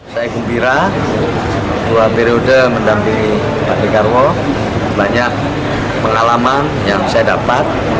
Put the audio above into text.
saya gembira dua periode mendampingi pak dekarwo banyak pengalaman yang saya dapat